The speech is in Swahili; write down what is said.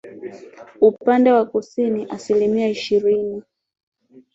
upande wa kusini Asilimia ishirini